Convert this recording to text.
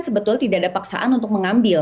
sebetulnya tidak ada paksaan untuk mengambil